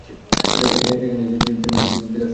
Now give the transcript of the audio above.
এখানে এসে তিনি পিতার সন্ধান পান।